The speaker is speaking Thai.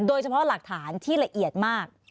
โดยเฉพาะหลักฐานที่ละเอียดมาก